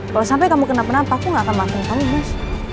kalau sampai kamu kena penampak aku gak akan mati sama kamu mas